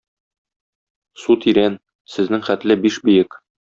Су тирән, сезнең хәтле биш биек.